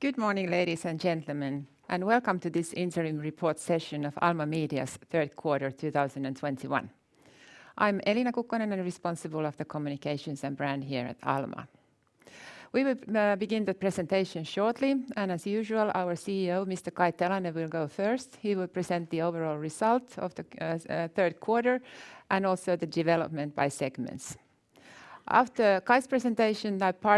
Good morning, ladies and gentlemen, and welcome to this interim report session of Alma Media's third quarter 2021. I'm Elina Kukkonen, responsible of the communications and brand here at Alma. We will begin the presentation shortly. As usual, our CEO, Mr. Kai Telanne, will go first. He will present the overall results of the third quarter and also the development by segments. After Kai's part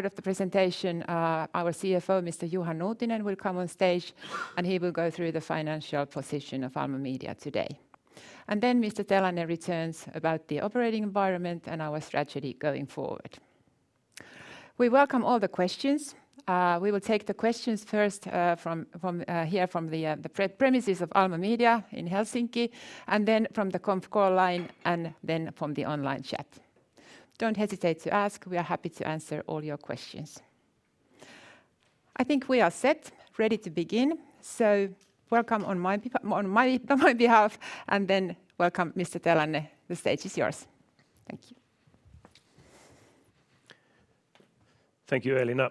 of the presentation, our CFO, Mr. Juha Nuutinen, will come on stage and he will go through the financial position of Alma Media today. Then Mr. Telanne returns about the operating environment and our strategy going forward. We welcome all the questions. We will take the questions first here from the premises of Alma Media in Helsinki, then from the conf call line, and then from the online chat. Don't hesitate to ask. We are happy to answer all your questions. I think we are set, ready to begin. Welcome on my behalf and then welcome, Mr. Telanne. The stage is yours. Thank you. Thank you, Elina.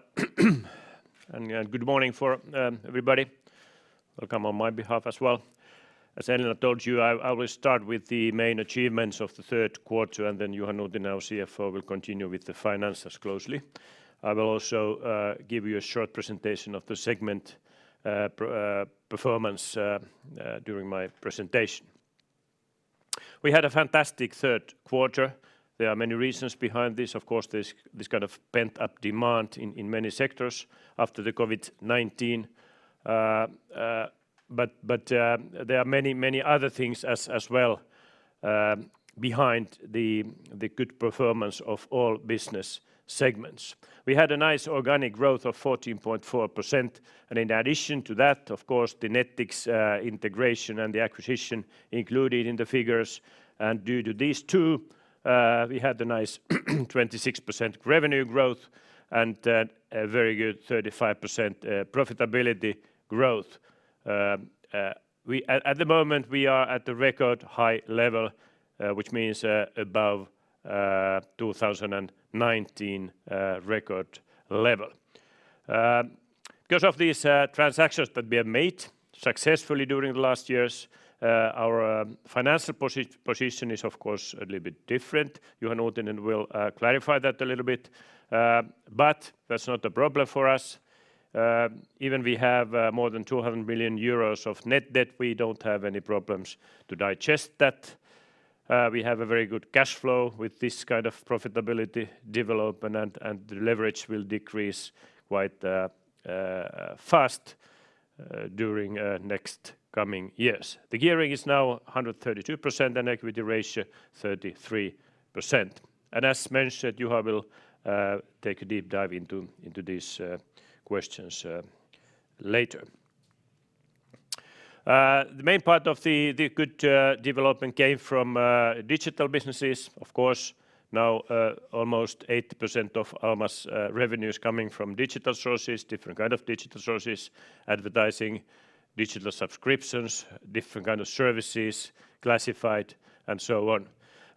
Good morning for everybody. Welcome on my behalf as well. As Elina told you, I will start with the main achievements of the third quarter, and then Juha Nuutinen, our CFO, will continue with the finances closely. I will also give you a short presentation of the segment performance during my presentation. We had a fantastic third quarter. There are many reasons behind this. Of course, this kind of pent-up demand in many sectors after the COVID-19. There are many other things as well behind the good performance of all business segments. We had a nice organic growth of 14.4%, and in addition to that, of course, the Nettix integration and the acquisition included in the figures. Due to these two, we had a nice 26% revenue growth and a very good 35% profitability growth. At the moment, we are at the record high level, which means above 2019 record level. Because of these transactions that we have made successfully during the last years, our financial position is of course a little bit different. Juha Nuutinen will clarify that a little bit. That's not a problem for us. Even we have more than 200 million euros of net debt, we don't have any problems to digest that. We have a very good cash flow with this kind of profitability development, and the leverage will decrease quite fast during next coming years. The gearing is now 132% and equity ratio 33%. As mentioned, Juha will take a deep dive into these questions later. The main part of the good development came from digital businesses. Of course, now almost 80% of Alma's revenue is coming from digital sources, different kind of digital sources, advertising, digital subscriptions, different kind of services, classified and so on.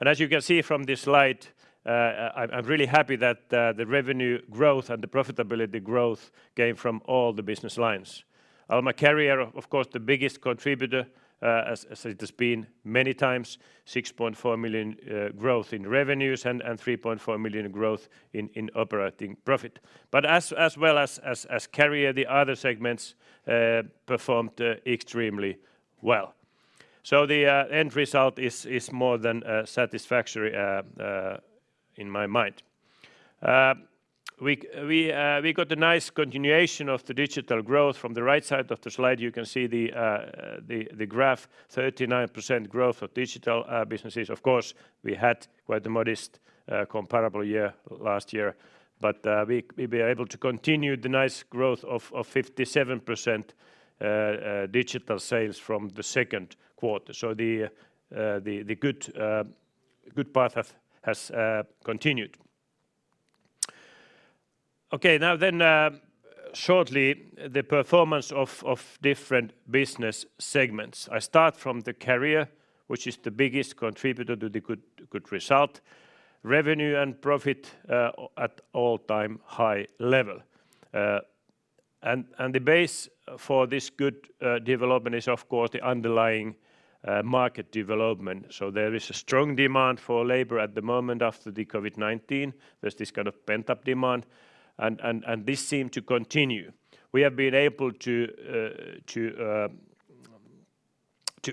As you can see from this slide, I'm really happy that the revenue growth and the profitability growth came from all the business lines. Alma Career, of course, the biggest contributor as it has been many times, 6.4 million growth in revenues and 3.4 million growth in operating profit. As well as Career, the other segments performed extremely well. The end result is more than satisfactory in my mind. We got a nice continuation of the digital growth. From the right side of the slide, you can see the graph, 39% growth of digital businesses. We had quite a modest comparable year last year, but we were able to continue the nice growth of 57% digital sales from the second quarter. The good path has continued. Shortly, the performance of different business segments. I start from the Career, which is the biggest contributor to the good result. Revenue and profit at all-time high level. The base for this good development is of course the underlying market development. There is a strong demand for labor at the moment after the COVID-19. There's this kind of pent-up demand and this seemed to continue. We have been able to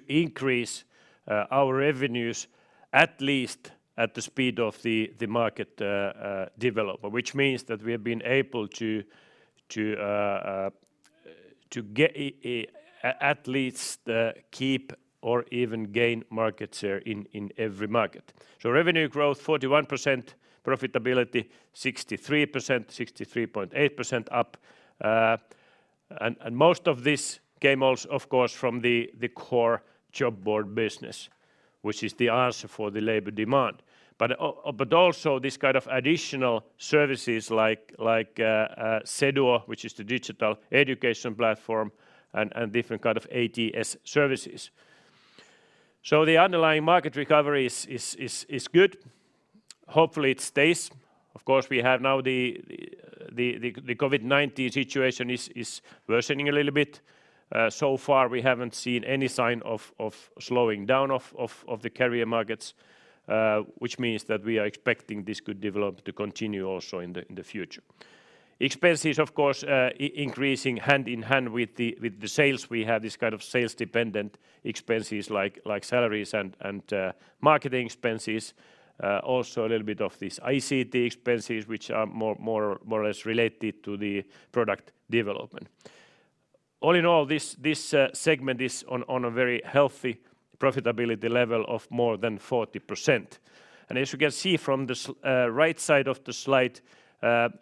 increase our revenues at least at the speed of the market development, which means that we have been able to at least keep or even gain market share in every market. Revenue growth 41%, profitability 63%, 63.8% up. Most of this came also of course from the core job board business, which is the answer for the labor demand. Also this kind of additional services like Seduo, which is the digital education platform and different kind of ATS services. The underlying market recovery is good. Hopefully it stays. Of course, we have now the COVID-19 situation is worsening a little bit. So far we haven't seen any sign of slowing down of the career markets, which means that we are expecting this good development to continue also in the future. Expenses, of course, increasing hand in hand with the sales. We have these kind of sales-dependent expenses like salaries and marketing expenses. Also a little bit of these ICT expenses, which are more or less related to the product development. All in all, this segment is on a very healthy profitability level of more than 40%. As you can see from the right side of the slide,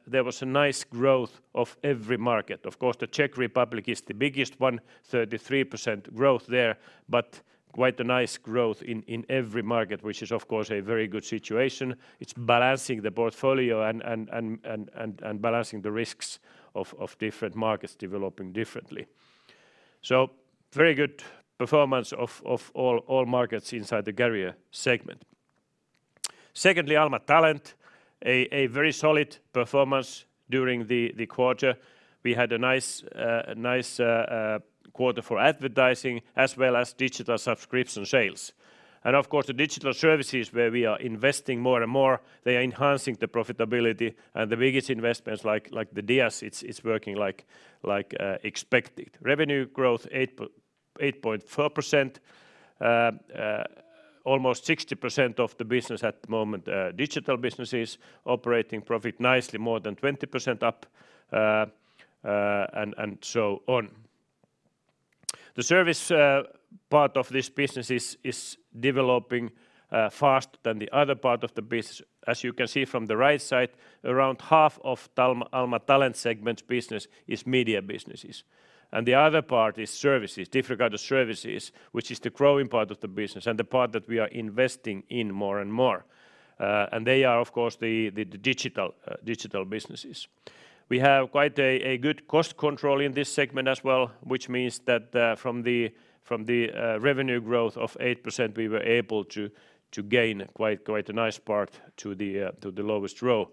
there was a nice growth of every market. Of course, the Czech Republic is the biggest one, 33% growth there, but quite a nice growth in every market, which is of course a very good situation. It's balancing the portfolio and balancing the risks of different markets developing differently. Very good performance of all markets inside the Alma Career segment. Secondly, Alma Talent, a very solid performance during the quarter. We had a nice quarter for advertising as well as digital subscription sales. Of course, the digital services where we are investing more and more, they are enhancing the profitability and the biggest investments like the DIAS, it's working like expected. Revenue growth 8.4%. Almost 60% of the business at the moment digital businesses. Operating profit nicely more than 20% up, and so on. The service part of this business is developing fast than the other part of the business. As you can see from the right side, around half of Alma Talent segment business is media businesses. The other part is services, different kind of services, which is the growing part of the business and the part that we are investing in more and more. They are, of course, the digital businesses. We have quite a good cost control in this segment as well, which means that from the revenue growth of 8%, we were able to gain quite a nice part to the lowest row,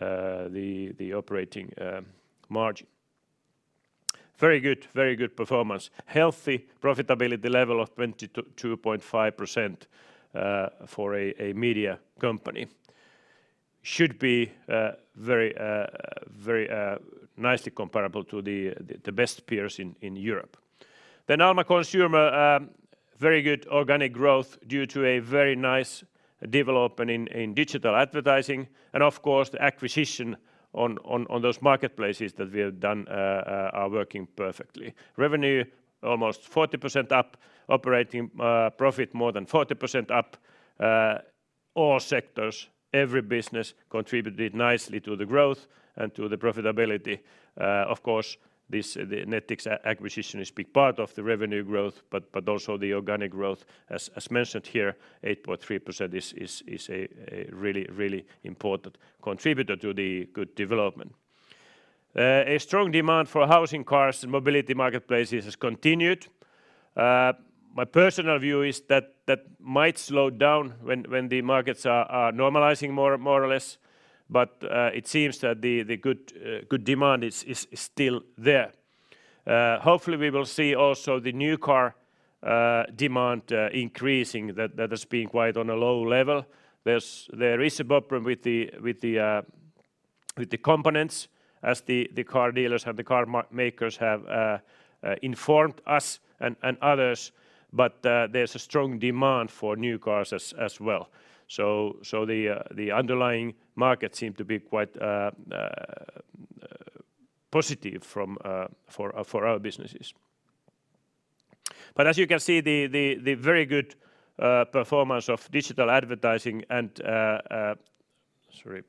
the operating margin. Very good performance. Healthy profitability level of 22.5% for a media company should be very nicely comparable to the best peers in Europe. Alma Consumer, very good organic growth due to a very nice development in digital advertising and of course, the acquisition on those marketplaces that we have done are working perfectly. Revenue almost 40% up, operating profit more than 40% up. All sectors, every business contributed nicely to the growth and to the profitability. Of course, this Nettix acquisition is big part of the revenue growth, but also the organic growth as mentioned here, 8.3% is a really important contributor to the good development. A strong demand for housing, cars, and mobility marketplaces has continued. My personal view is that might slow down when the markets are normalizing more or less, but it seems that the good demand is still there. Hopefully we will see also the new car demand increasing that has been quite on a low level. There is a problem with the components as the car dealers and the car makers have informed us and others, but there's a strong demand for new cars as well. The underlying market seem to be quite positive for our businesses. As you can see the very good performance of digital advertising and Sorry.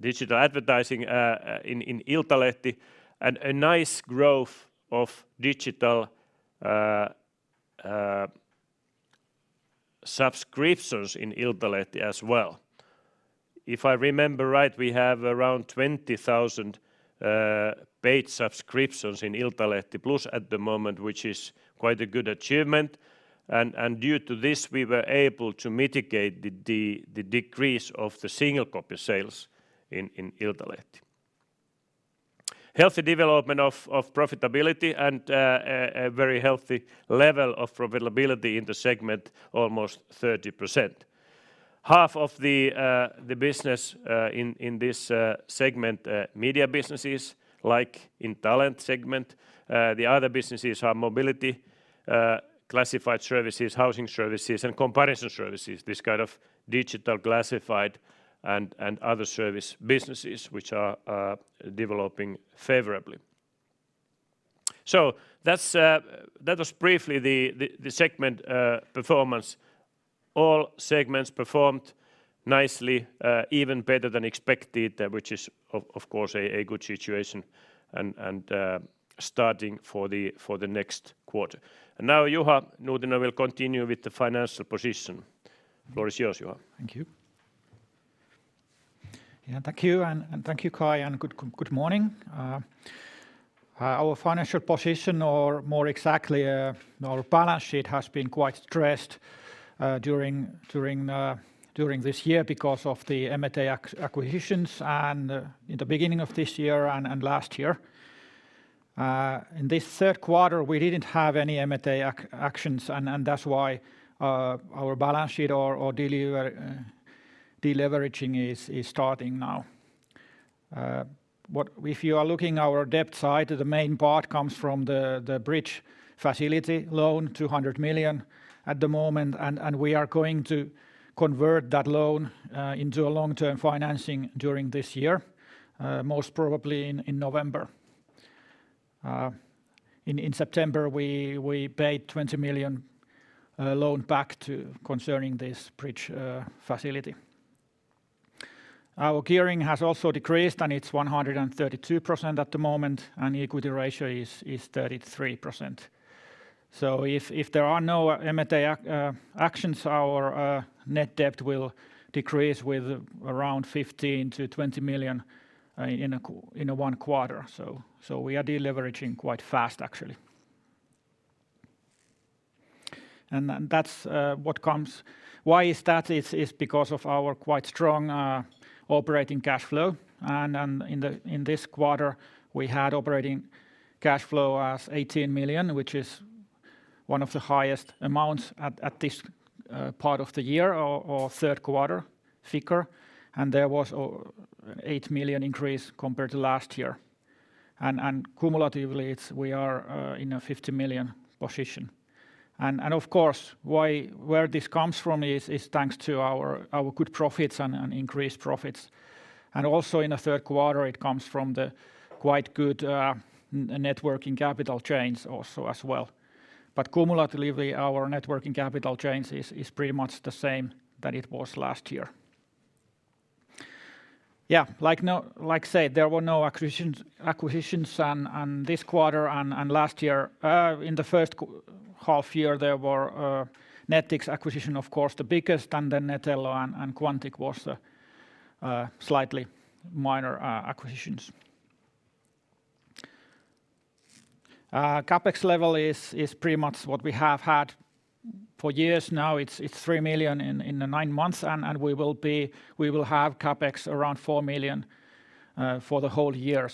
Digital advertising in Iltalehti and a nice growth of digital subscriptions in Iltalehti as well. If I remember right, we have around 20,000 paid subscriptions in Iltalehti Plus at the moment, which is quite a good achievement. Due to this, we were able to mitigate the decrease of the single copy sales in Iltalehti. Healthy development of profitability and a very healthy level of profitability in the segment almost 30%. Half of the business in this segment media businesses like in Talent segment. The other businesses are mobility, classified services, housing services and comparison services. This kind of digital classified and other service businesses, which are developing favorably. That was briefly the segment performance. All segments performed nicely even better than expected, which is of course a good situation and starting for the next quarter. Now Juha Nuutinen will continue with the financial position. Floor is yours, Juha. Thank you. Yeah, thank you. Thank you, Kai, and good morning. Our financial position, or more exactly, our balance sheet, has been quite stressed during this year because of the M&A acquisitions and in the beginning of this year and last year. In this third quarter, we didn't have any M&A actions, and that's why our balance sheet or de-leveraging is starting now. If you are looking our debt side, the main part comes from the bridge facility loan, 200 million at the moment, and we are going to convert that loan into a long-term financing during this year, most probably in November. In September, we paid 20 million loan back concerning this bridge facility. Our gearing has also decreased, and it's 132% at the moment, and the equity ratio is 33%. If there are no M&A actions, our net debt will decrease with around 15 million-20 million in one quarter. We are de-leveraging quite fast, actually. Why is that? It's because of our quite strong operating cash flow. In this quarter, we had operating cash flow as 18 million, which is one of the highest amounts at this part of the year or third quarter figure. There was 8 million increase compared to last year. Cumulatively, we are in a 50 million position. Of course, where this comes from is thanks to our good profits and increased profits, and also in the third quarter, it comes from the quite good networking capital change also as well. Cumulatively, our networking capital change is pretty much the same that it was last year. Yeah, like I said, there were no acquisitions this quarter and last year. In the first half year, there were Nettix acquisition, of course, the biggest, and then Netello and Quantiq was slightly minor acquisitions. CapEx level is pretty much what we have had for years now. It's 3 million in the nine months, and we will have CapEx around 4 million for the whole year.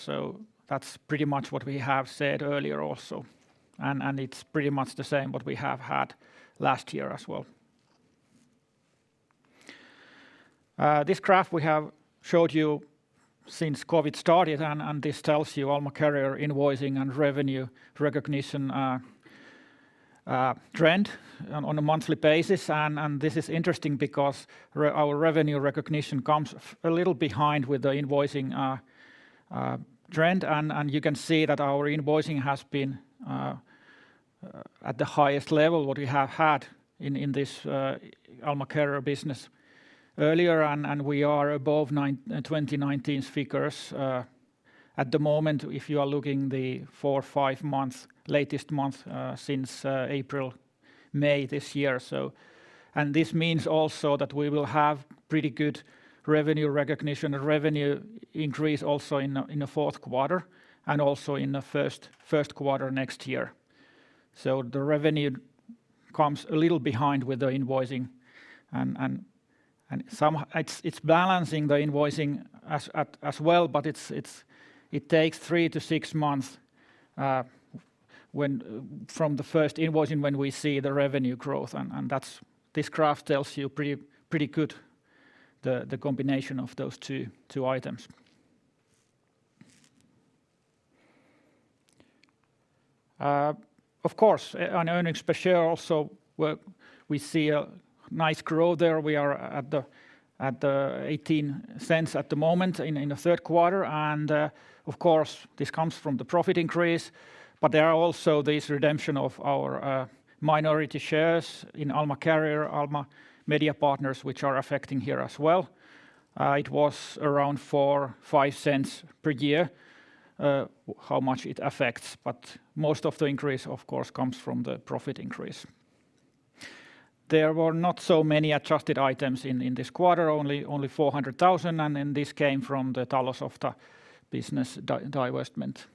That's pretty much what we have said earlier also. It's pretty much the same what we have had last year as well. This graph we have showed you since COVID-19 started, and this tells you Alma Career invoicing and revenue recognition trend on a monthly basis. This is interesting because our revenue recognition comes a little behind with the invoicing trend, and you can see that our invoicing has been at the highest level what we have had in this Alma Career business earlier. We are above 2019 figures at the moment, if you are looking the four, five latest months since April, May this year. This means also that we will have pretty good revenue recognition and revenue increase also in the fourth quarter and also in the first quarter next year. The revenue comes a little behind with the invoicing. It's balancing the invoicing as well, but it takes three to six months from the first invoicing when we see the revenue growth. This graph tells you pretty good the combination of those two items. Of course, on earnings per share also, we see a nice growth there. We are at 0.18 at the moment in the third quarter. Of course, this comes from the profit increase, but there are also this redemption of our minority shares in Alma Career, Alma Mediapartners, which are affecting here as well. It was around 0.04-0.05 per year, how much it affects. Most of the increase, of course, comes from the profit increase. There were not so many adjusted items in this quarter, only 400,000, this came from the Talousohjelma business divestment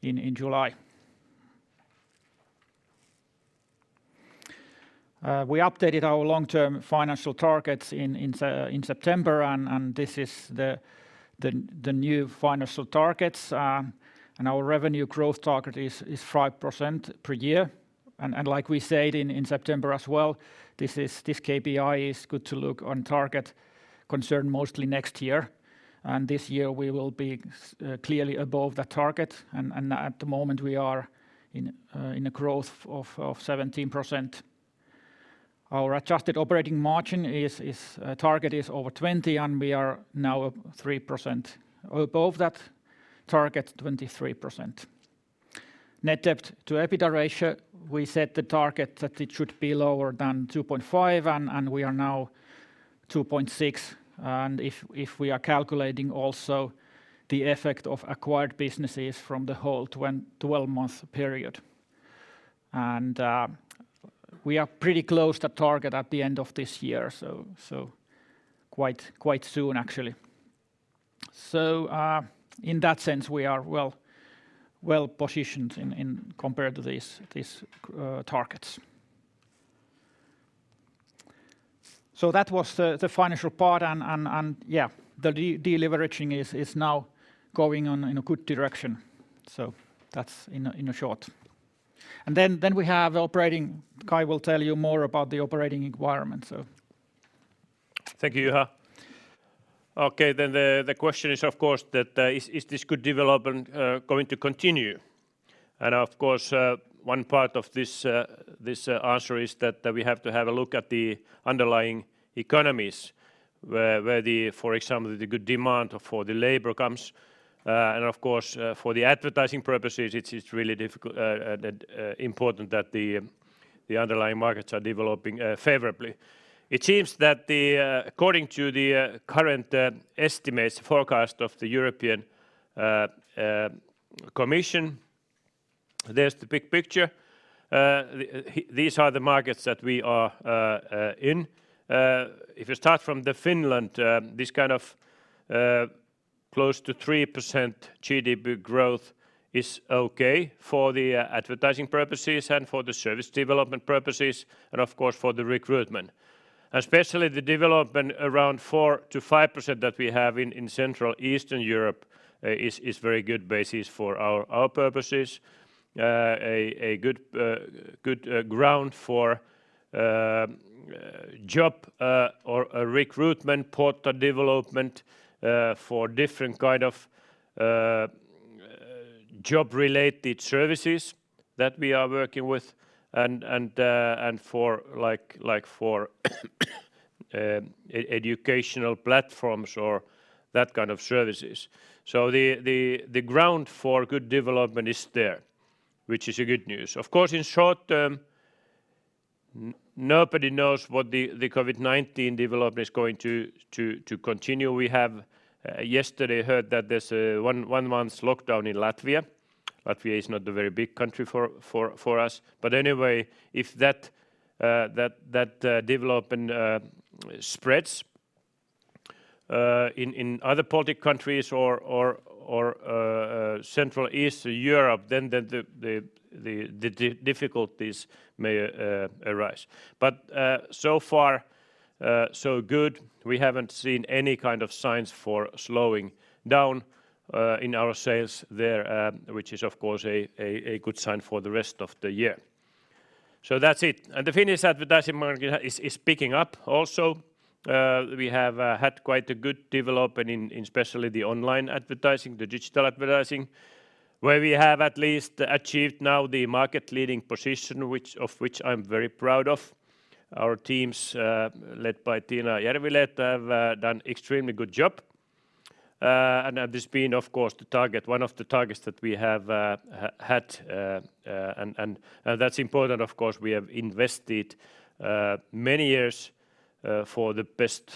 in July. We updated our long-term financial targets in September, this is the new financial targets. Our revenue growth target is 5% per year. Like we said in September as well, this KPI is good to look on target concerned mostly next year. This year we will be clearly above the target. At the moment we are in a growth of 17%. Our adjusted operating margin target is over 20%, and we are now 3% above that target, 23%. Net debt to EBITDA ratio, we set the target that it should be lower than 2.5, and we are now 2.6, and if we are calculating also the effect of acquired businesses from the whole 12-month period. We are pretty close to target at the end of this year, quite soon actually. In that sense, we are well-positioned compared to these targets. That was the financial part and, yeah, the deleveraging is now going in a good direction. That's in a short. Then we have operating. Kai will tell you more about the operating environment. Thank you, Juha. Okay. The question is, of course, that is this good development going to continue? Of course, one part of this answer is that we have to have a look at the underlying economies where, for example, the good demand for the labor comes. Of course, for the advertising purposes, it's really important that the underlying markets are developing favorably. It seems that according to the current estimates forecast of the European Commission, there's the big picture. These are the markets that we are in. If you start from Finland, this kind of close to 3% GDP growth is okay for the advertising purposes and for the service development purposes and of course, for the recruitment. Especially the development around 4%-5% that we have in Central Eastern Europe is very good basis for our purposes. A good ground for job or a recruitment portal development for different kind of job-related services that we are working with and for educational platforms or that kind of services. The ground for good development is there, which is a good news. Of course, in short term, nobody knows what the COVID-19 development is going to continue. We have yesterday heard that there's a one month lockdown in Latvia. Latvia is not a very big country for us. Anyway, if that development spreads in other Baltic countries or Central East Europe, then the difficulties may arise. So far so good. We haven't seen any kind of signs for slowing down in our sales there, which is, of course, a good sign for the rest of the year. That's it. The Finnish advertising market is picking up also. We have had quite a good development in especially the online advertising, the digital advertising, where we have at least achieved now the market-leading position of which I'm very proud of. Our teams, led by Tiina Järvilehto, have done extremely good job. This been, of course, one of the targets that we have had and that's important, of course. We have invested many years for the best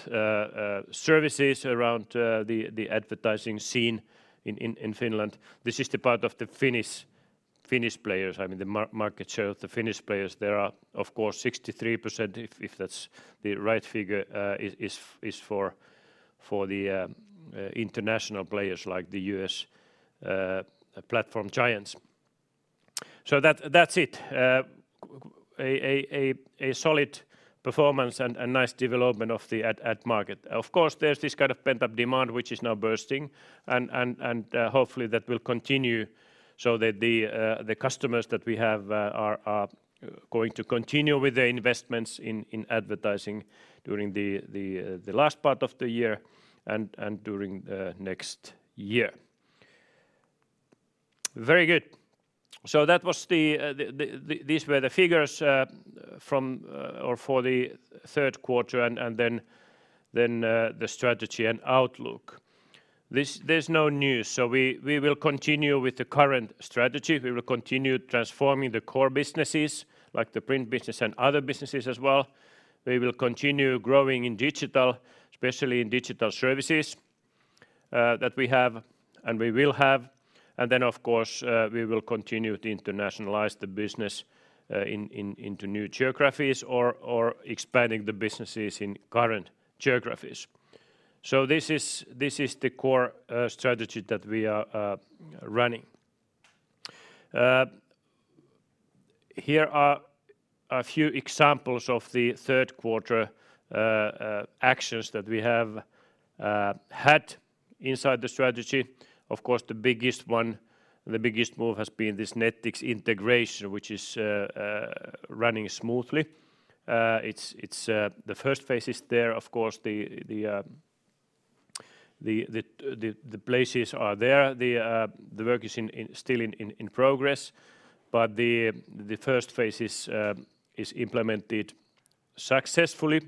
services around the advertising scene in Finland. This is the part of the Finnish players. I mean, the market share of the Finnish players there are, of course, 63%, if that's the right figure is for the international players like the U.S. platform giants. That's it. A solid performance and a nice development of the ad market. There's this kind of pent-up demand which is now bursting and hopefully that will continue so that the customers that we have are going to continue with their investments in advertising during the last part of the year and during next year. Very good. These were the figures for the third quarter and then the strategy and outlook. There's no news, we will continue with the current strategy. We will continue transforming the core businesses, like the print business and other businesses as well. We will continue growing in digital, especially in digital services that we have and we will have. Of course, we will continue to internationalize the business into new geographies or expanding the businesses in current geographies. This is the core strategy that we are running. Here are a few examples of the third quarter actions that we have had inside the strategy. The biggest move has been this Nettix integration, which is running smoothly. The first phase is there. The places are there. The work is still in progress, but the first phase is implemented successfully.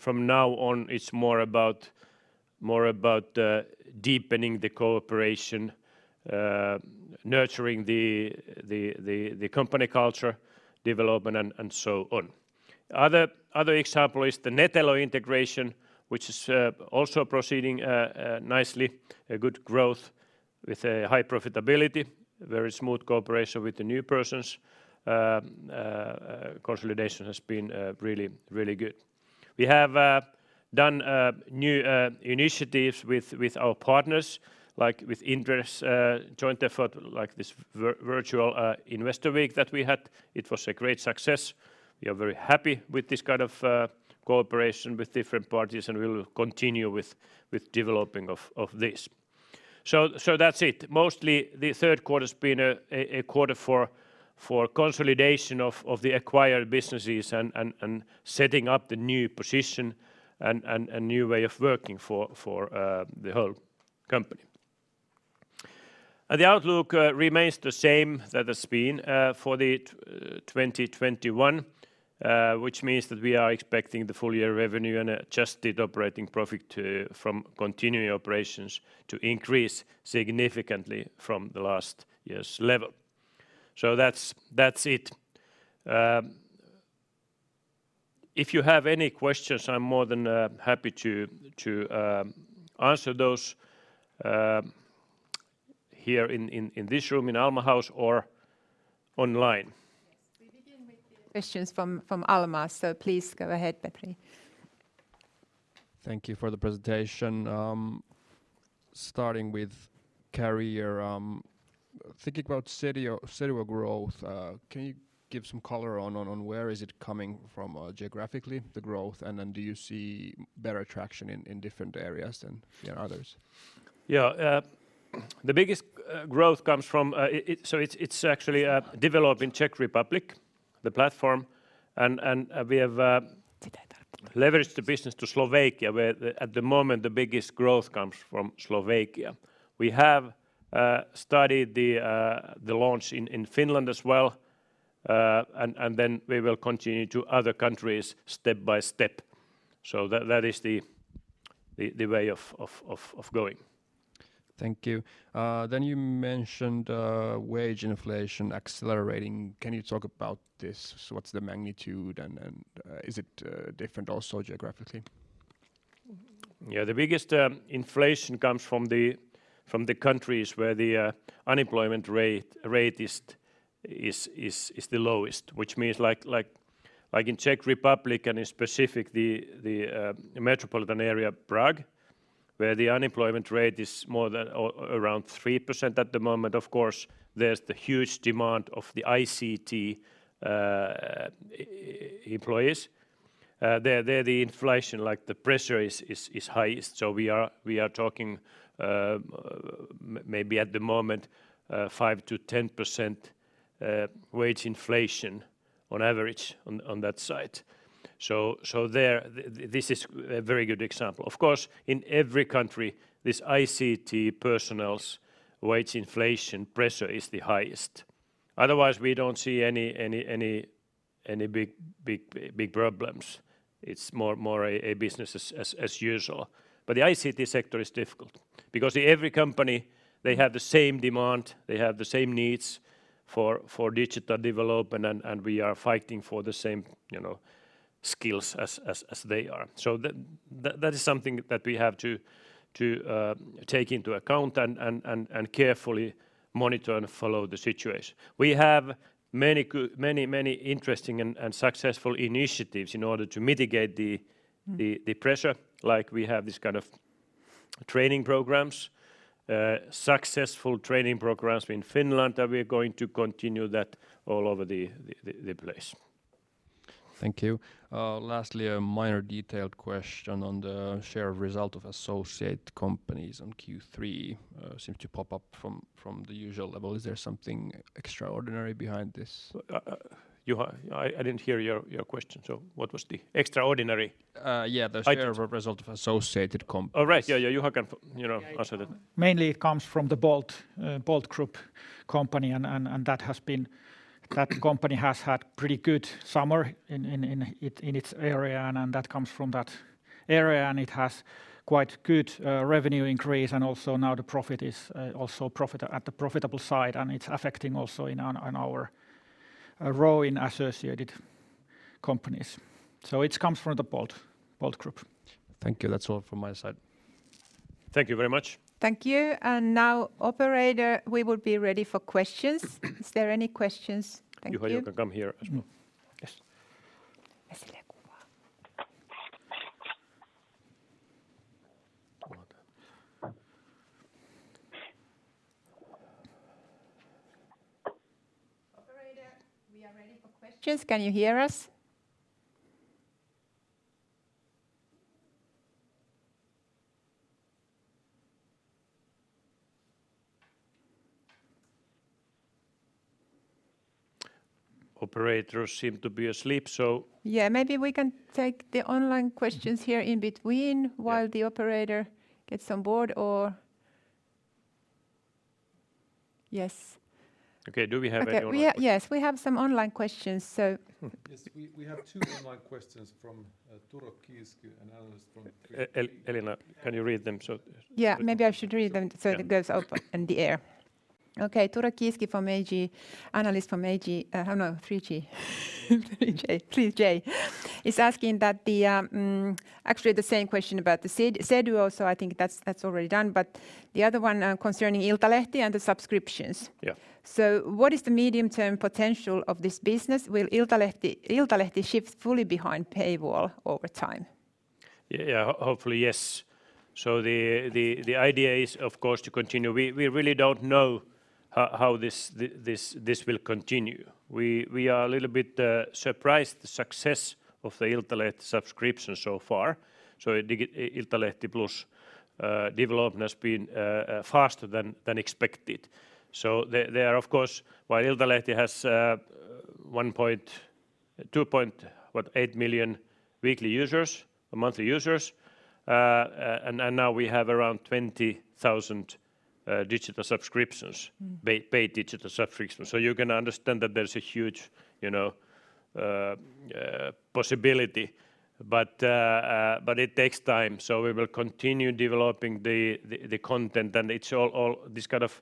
From now on, it's more about deepening the cooperation, nurturing the company culture development, and so on. Other example is the Netello integration, which is also proceeding nicely. A good growth with a high profitability, very smooth cooperation with the new persons. Consolidation has been really good. We have done new initiatives with our partners, like with Inderes joint effort, like this virtual investor week that we had. It was a great success. We are very happy with this kind of cooperation with different parties, and we will continue with developing of this. That's it. Mostly the third quarter's been a quarter for consolidation of the acquired businesses and setting up the new position and new way of working for the whole company. The outlook remains the same that it's been for the 2021, which means that we are expecting the full year revenue and adjusted operating profit from continuing operations to increase significantly from the last year's level. That's it. If you have any questions, I'm more than happy to answer those here in this room in Alma House or online. Yes. We begin with the questions from Alma. Please go ahead, Petri. Thank you for the presentation. Starting with Alma Career. Thinking about serial growth, can you give some color on where is it coming from geographically, the growth, and then do you see better traction in different areas than others? Yeah. It's actually developing Czech Republic, the platform, and we leveraged the business to Slovakia, where at the moment, the biggest growth comes from Slovakia. We have started the launch in Finland as well, and then we will continue to other countries step by step. That is the way of going. Thank you. You mentioned wage inflation accelerating. Can you talk about this? What's the magnitude, and is it different also geographically? Yeah. The biggest inflation comes from the countries where the unemployment rate is the lowest, which means like in Czech Republic and in specific the metropolitan area Prague, where the unemployment rate is more than around 3% at the moment. Of course, there's the huge demand of the ICT employees. There the inflation, the pressure is highest. We are talking maybe at the moment 5%-10% wage inflation on average on that side. This is a very good example. Of course, in every country, this ICT personnel's wage inflation pressure is the highest. Otherwise, we don't see any big problems. It's more a business as usual. The ICT sector is difficult because every company, they have the same demand, they have the same needs for digital development, and we are fighting for the same skills as they are. That is something that we have to take into account and carefully monitor and follow the situation. We have many interesting and successful initiatives in order to mitigate the pressure. Like we have this kind of training programs, successful training programs in Finland that we're going to continue that all over the place. Thank you. A minor detailed question on the share result of associate companies on Q3 seems to pop up from the usual level. Is there something extraordinary behind this? Juha, I didn't hear your question, so what was the extraordinary? Yeah. Item result of associated companies. Oh, right. Yeah, Juha can answer that. Mainly it comes from the Bolt Group company, and that company has had pretty good summer in its area and that comes from that area, and it has quite good revenue increase and also now the profit is also at the profitable side, and it's affecting also in our row in associated companies. It comes from the Bolt Group. Thank you. That's all from my side. Thank you very much. Thank you. Now operator, we would be ready for questions. Is there any questions? Thank you. Juha, you can come here as well. [Yes]. Operator, we are ready for questions. Can you hear us? Operators seem to be asleep, so Yeah, maybe we can take the online questions here in between while the operator gets on board. Yes. Okay, do we have any online questions? Yes, we have some online questions. Yes, we have two online questions from Turo Kiiski and Alice from. Elina, can you read them? Yeah, maybe I should read them so it goes out in the air. Okay. Turo Kiiski from 3J, analyst from 3J. He's asking actually the same question about the Seduo also. I think that's already done, but the other one concerning Iltalehti and the subscriptions. Yeah. What is the medium-term potential of this business? Will Iltalehti shift fully behind paywall over time? Yeah. Hopefully, yes. The idea is, of course, to continue. We really don't know how this will continue. We are a little bit surprised the success of the Iltalehti subscriptions so far. Iltalehti Plus development has been faster than expected. There are, of course, while Iltalehti has 2.8 million monthly users, and now we have around 20,000 paid digital subscriptions. You can understand that there's a huge possibility. It takes time, so we will continue developing the content, and it's all this kind of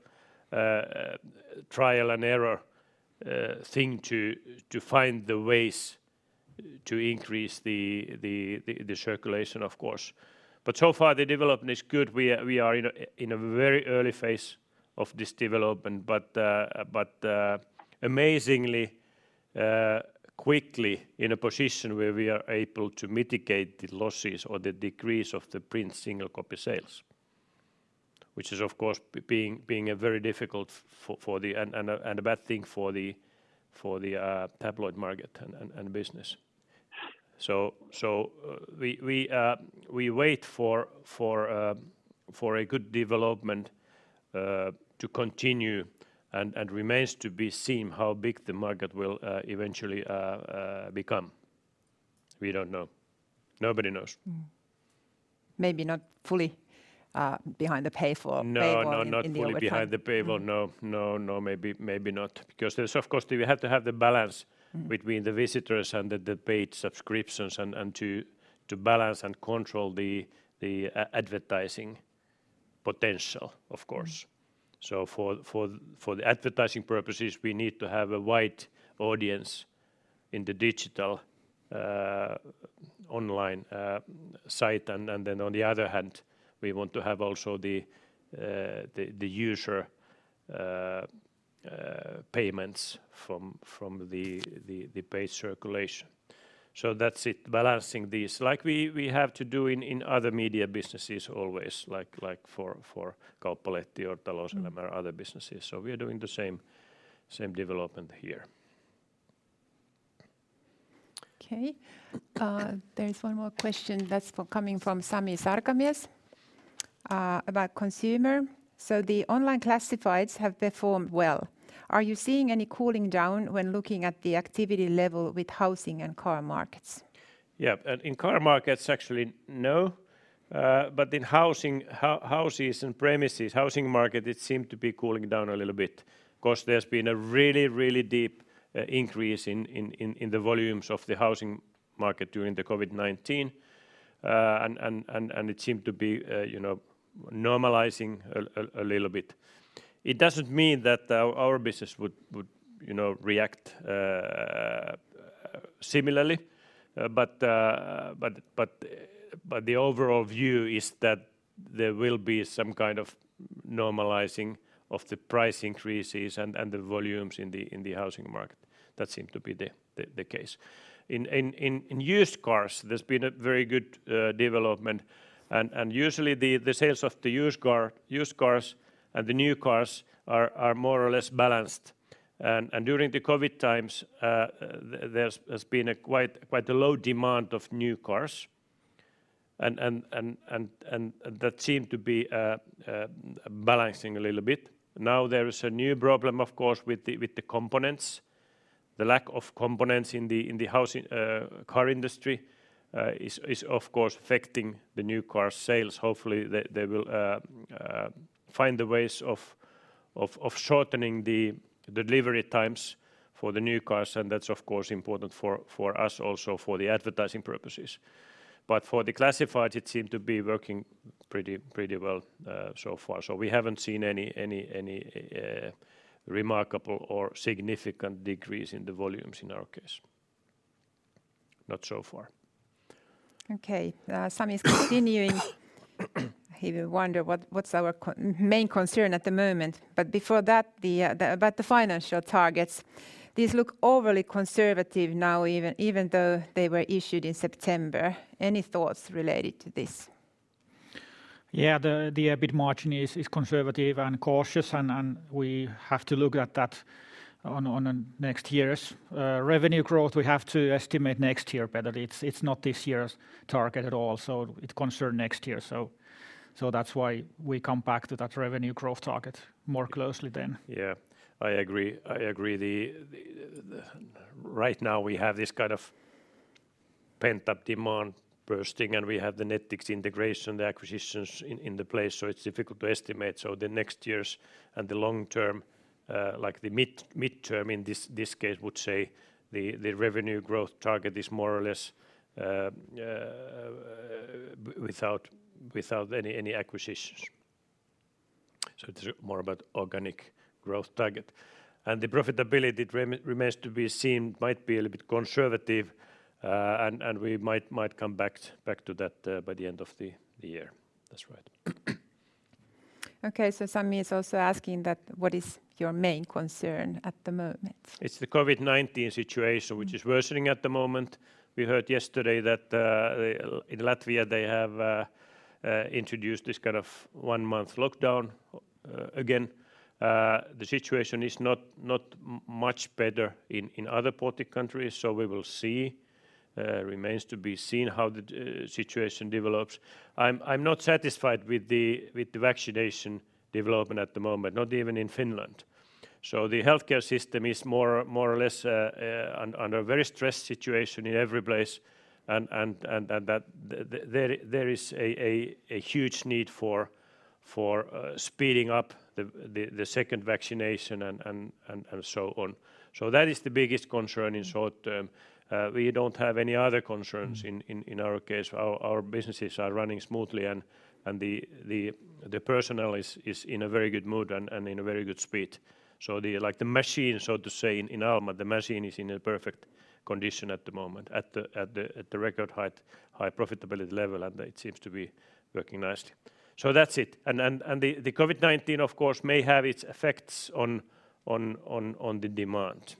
trial and error thing to find the ways to increase the circulation, of course. So far, the development is good. We are in a very early phase of this development, but amazingly quickly in a position where we are able to mitigate the losses or the decrease of the print single copy sales, which is, of course, being a very difficult and a bad thing for the tabloid market and business. We wait for a good development to continue and remains to be seen how big the market will eventually become. We don't know. Nobody knows. Maybe not fully behind the paywall in the overtime. No, not fully behind the paywall. No, maybe not. Because there's, of course, we have to have the balance between the visitors and the paid subscriptions and to balance and control the advertising potential, of course. For the advertising purposes, we need to have a wide audience in the digital online site. On the other hand, we want to have also the user payments from the paid circulation. That's it, balancing these like we have to do in other media businesses always like for Kauppalehti or Talouselämä or other businesses. We are doing the same development here. Okay. There is one more question that is coming from Sami Sarkamies about Alma Consumer.The online classifieds have performed well. Are you seeing any cooling down when looking at the activity level with housing and car markets? Yeah. In car markets, actually, no. In houses and premises, housing market, it seemed to be cooling down a little bit. Of course, there's been a really deep increase in the volumes of the housing market during the COVID-19. It seemed to be normalizing a little bit. It doesn't mean that our business would react similarly. The overall view is that there will be some kind of normalizing of the price increases and the volumes in the housing market. That seemed to be the case. In used cars, there's been a very good development and usually the sales of the used cars and the new cars are more or less balanced. During the COVID times, there's been a quite low demand of new cars and that seemed to be balancing a little bit. Now there is a new problem, of course, with the components. The lack of components in the car industry is, of course, affecting the new car sales. Hopefully, they will find the ways of shortening the delivery times for the new cars, and that's, of course, important for us also for the advertising purposes. For the classifieds, it seemed to be working pretty well so far. We haven't seen any remarkable or significant decrease in the volumes in our case. Not so far. Okay. Sami is continuing. He will wonder what's our main concern at the moment, but before that, about the financial targets. These look overly conservative now even though they were issued in September. Any thoughts related to this? Yeah. The EBIT margin is conservative and cautious, and we have to look at that on next year's revenue growth. We have to estimate next year better. It's not this year's target at all. It concerns next year. That's why we come back to that revenue growth target more closely then. Yeah. I agree. Right now we have pent-up demand bursting, and we have the Nettix integration, the acquisitions in place, so it's difficult to estimate. The next years and the long term, the midterm in this case, would say the revenue growth target is more or less without any acquisitions. It's more about organic growth target. The profitability remains to be seen, might be a little bit conservative, and we might come back to that by the end of the year. That's right. Okay. Sammy is also asking that, what is your main concern at the moment? It's the COVID-19 situation, which is worsening at the moment. We heard yesterday that in Latvia, they have introduced this one-month lockdown again. The situation is not much better in other Baltic countries. We will see. Remains to be seen how the situation develops. I'm not satisfied with the vaccination development at the moment, not even in Finland. The healthcare system is more or less under a very stressed situation in every place, and there is a huge need for speeding up the second vaccination and so on. That is the biggest concern in short term. We don't have any other concerns in our case. Our businesses are running smoothly and the personnel is in a very good mood and in a very good spirit. The machine, so to say, in Alma, the machine is in a perfect condition at the moment, at the record high profitability level, and it seems to be working nicely. That's it. The COVID-19, of course, may have its effects on the demand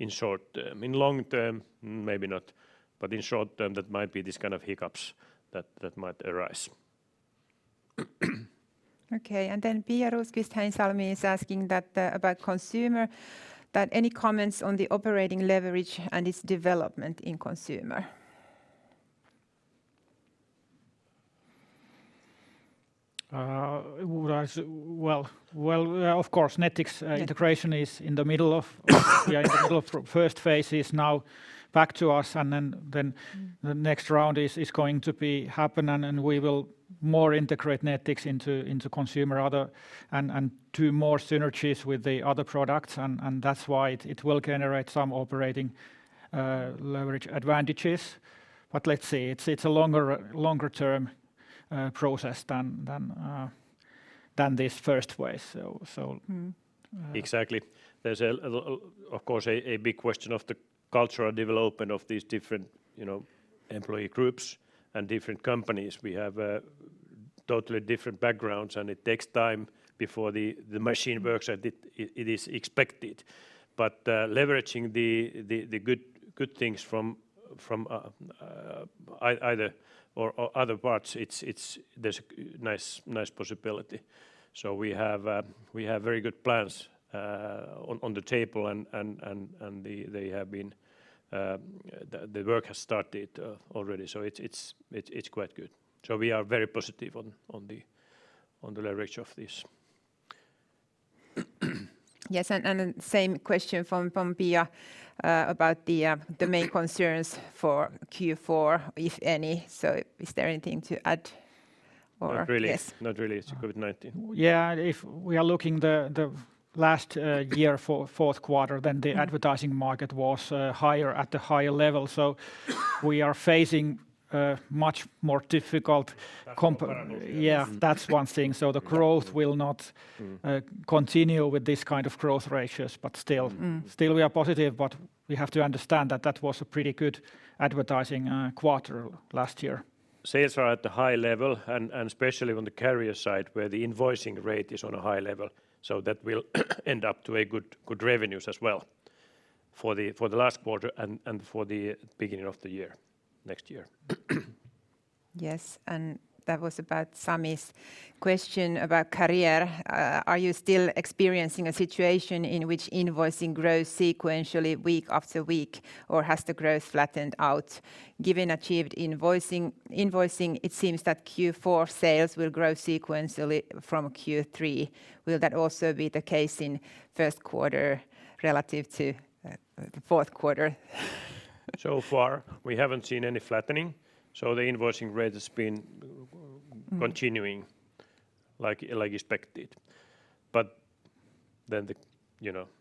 in short term. In long term, maybe not. In short term, that might be these kind of hiccups that might arise. Okay, Pia Rosqvist-Heinsalmi is asking about consumer, that any comments on the operating leverage and its development in consumer? Well, of course, Nettix integration is in the middle of first phase is now back to us, and then the next round is going to be happening and we will more integrate Nettix into Consumer and do more synergies with the other products and that's why it will generate some operating leverage advantages. Let's see. It's a longer-term process than this first wave. Exactly. There's of course a big question of the cultural development of these different employee groups and different companies. We have totally different backgrounds and it takes time before the machine works as it is expected. Leveraging the good things from either or other parts, there's a nice possibility. We have very good plans on the table and the work has started already. It's quite good. We are very positive on the leverage of this. Yes, same question from Pia about the main concerns for Q4, if any. Is there anything to add? Not really. Not really. It's COVID-19. Yeah, if we are looking the last year for fourth quarter, the advertising market was higher at the higher level. We are facing a much more difficult comp-. That's one part of it, yes. Yeah, that's one thing. The growth will not continue with this kind of growth ratios, but still we are positive, but we have to understand that that was a pretty good advertising quarter last year. Sales are at the high level and especially on the Career side where the invoicing rate is on a high level. That will end up to a good revenues as well for the last quarter and for the beginning of the year next year. Yes, that was about Sami's question about career. Are you still experiencing a situation in which invoicing grows sequentially week after week, or has the growth flattened out? Given achieved invoicing, it seems that Q4 sales will grow sequentially from Q3. Will that also be the case in first quarter relative to the fourth quarter? So far, we haven't seen any flattening, so the invoicing rate has been continuing like expected.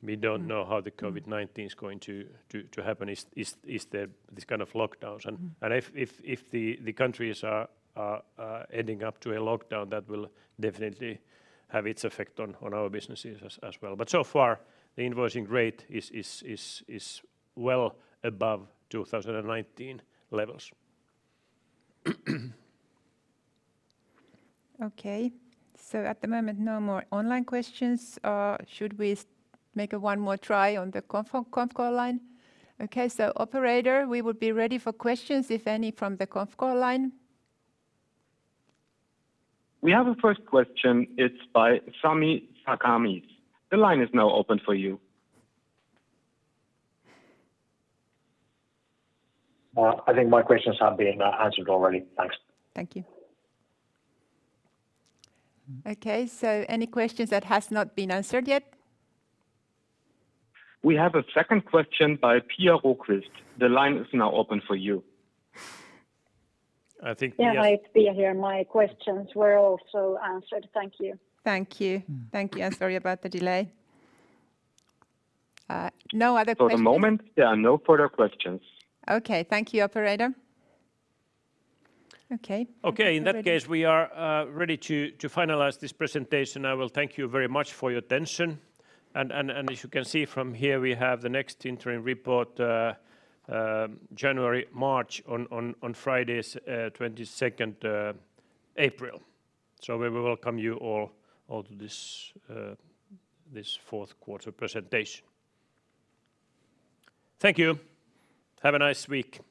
We don't know how the COVID-19 is going to happen, is this kind of lockdowns. If the countries are ending up to a lockdown, that will definitely have its effect on our businesses as well. So far, the invoicing rate is well above 2019 levels. Okay. At the moment, no more online questions. Should we make one more try on the conf call line? Okay, operator, we would be ready for questions, if any, from the conf call line. We have a first question. It's by Sami Sarkamies. The line is now open for you. I think my questions have been answered already. Thanks. Thank you. Okay, any questions that has not been answered yet? We have a second question by Pia Rosqvist-Heinsalmi. The line is now open for you. I think Pia- Yeah, it's Pia here. My questions were also answered. Thank you. Thank you. Thank you, and sorry about the delay. No other questions? For the moment, there are no further questions. Okay. Thank you, operator. Okay. In that case, we are ready to finalize this presentation. I will thank you very much for your attention. As you can see from here, we have the next interim report January, March on Friday 22nd April. We welcome you all to this fourth quarter presentation. Thank you. Have a nice week